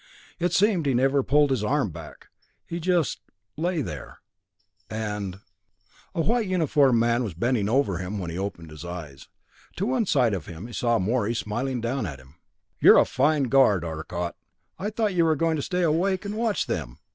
It seemed he never pulled his arm back he just lay there and A white uniformed man was bending over him as he opened his eyes. To one side of him he saw Morey smiling down at him. "You're a fine guard, Arcot. I thought you were going to stay awake and watch them!"